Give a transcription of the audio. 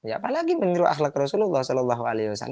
apalagi meniru akhlak rasulullah saw